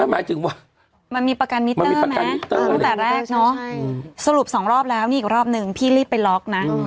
มันมีประกันมิตเตอร์ไหมตั้งแต่แรกเนอะสรุป๒รอบแล้วอีกรอบนึงพี่รีบไปล็อคนะ